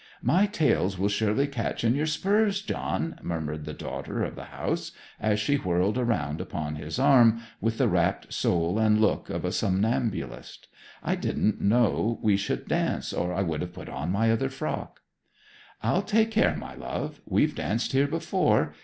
'My tails will surely catch in your spurs, John!' murmured the daughter of the house, as she whirled around upon his arm with the rapt soul and look of a somnambulist. 'I didn't know we should dance, or I would have put on my other frock.' 'I'll take care, my love. We've danced here before.